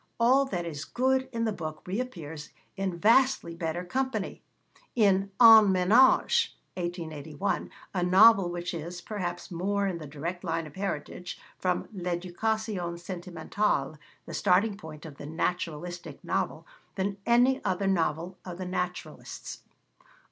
All that is good in the book reappears, in vastly better company, in En Ménage (1881), a novel which is, perhaps, more in the direct line of heritage from L'Education Sentimentale the starting point of the Naturalistic novel than any other novel of the Naturalists.